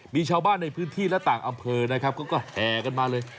มีชาวบ้านในพื้นที่และต่างอำเภอนะครับเขาก็แห่กันมาเลย